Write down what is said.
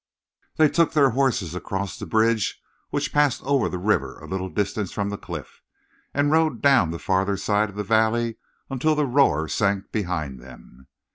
They took their horses across the bridge which passed over the river a little distance from the cliff, and rode down the farther side of the valley until the roar sank behind them.